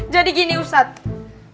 jadi gini ustadz